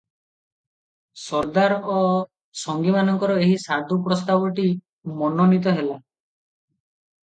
ସର୍ଦ୍ଦାର ଓ ସଙ୍ଗୀମାନଙ୍କର ଏହି ସାଧୁ ପ୍ରସ୍ତାବଟି ମନୋନୀତ ହେଲା ।